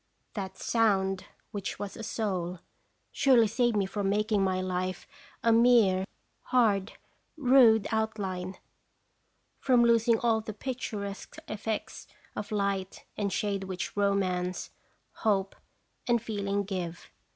That " sound which was a soul" surely saved me from making my life a mere JDeafr SDeafc?" 289 hard, rude outline, from losing all the pic turesque effects of light and shade which romance, hope, and feeling give.